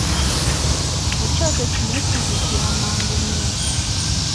Ekyoto kino kizikira mangu nnyo.